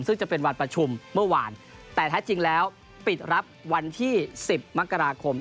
ซึ่งจะเป็นวันประชุมเมื่อวานแต่แท้จริงแล้วปิดรับวันที่๑๐มกราคม